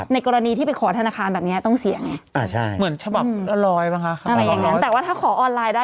ในกรณีที่ไปขอธนาคารแบบนี้ต้องเสียอย่างไร